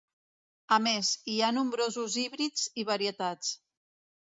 A més, hi ha nombrosos híbrids i varietats.